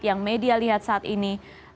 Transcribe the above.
yang media lihat saat ini